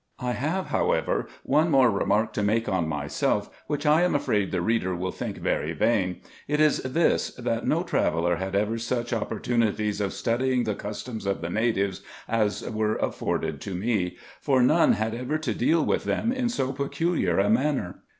I have, however, one more remark to make on myself, which I am afraid the reader will think very vain : it is this, that no traveller had ever such opportunities of studying the customs of the natives as were afforded to me, for none had ever to deal with them in so peculiar a manner.